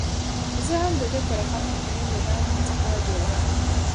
زه هم د ده په رقم انجینر له ځان څخه جوړوم.